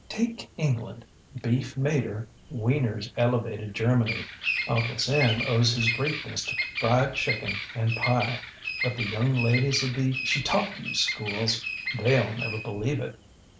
Take EnglandŌĆöbeef made her; wieners elevated Germany; Uncle Sam owes his greatness to fried chicken and pie, but the young ladies of the Shetalkyou schools, theyŌĆÖll never believe it.